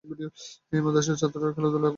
এই মাদ্রাসার ছাত্ররা খেলা-ধুলায় অগ্রগণ্য।